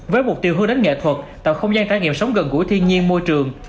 với mục tiêu hư đến nghệ thuật tạo không gian trải nghiệm sống gần gũi thiên nhiên môi trường